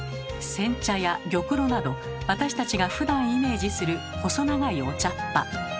煎茶や玉露など私たちがふだんイメージする細長いお茶っ葉。